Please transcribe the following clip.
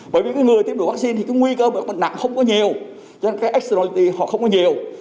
bởi vì người tiêm dụng vắc xin thì cái nguy cơ bệnh nặng không có nhiều cho nên cái externality họ không có nhiều